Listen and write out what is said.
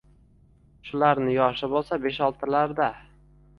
«Shularni yoshi, bo‘lsa, besh-oltilarda.